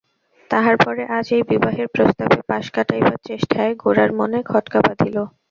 তাহার পরে আজ এই বিবাহের প্রস্তাবে পাশ কাটাইবার চেষ্টায় গোরার মনে খটকা বাধিল।